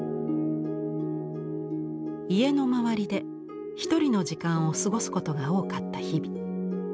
家の周りでひとりの時間を過ごすことが多かった日々。